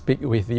và bình tĩnh